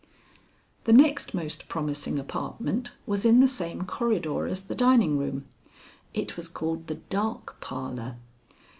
The next most promising apartment was in the same corridor as the dining room. It was called the Dark Parlor.